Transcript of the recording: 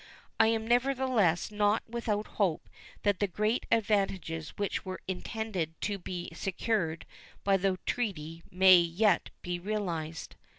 I am nevertheless not without hope that the great advantages which were intended to be secured by the treaty may yet be realized.